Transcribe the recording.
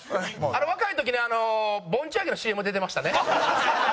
若い時ねぼんち揚のＣＭ出てましたね。